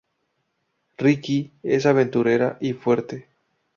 Rikki es aventurera y fuerte.